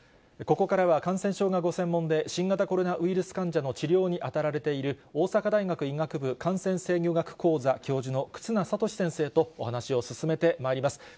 ここからは感染症がご専門で、新型コロナウイルス患者の治療に当たられている、大阪大学医学部感染制御学講座教授の忽那賢志先生とお話を進めてまいります。